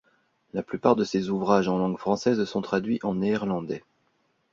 La plupart de ses ouvrages en langue française sont traduits en néerlandais.